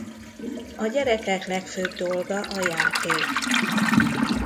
A gyerekek legfőbb dolga a játék.